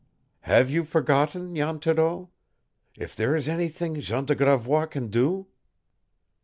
"Have you forgotten, Jan Thoreau? If there is anything Jean de Gravois can do?"